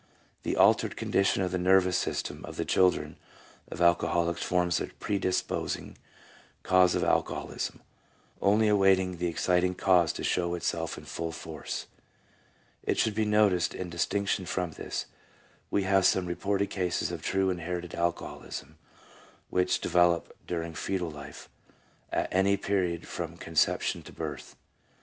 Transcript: The altered condition of the nervous system of the children of alcoholics forms a pre disposing cause of alcoholism, only awaiting the exciting cause to show itself in full force. It should be noticed, in distinction from this, we have some reported cases of true inherited alcoholism which develop during fcetal life, at any period from con ception to birth.